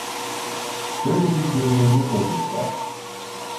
Şöyle bir görünecek olmuşlar.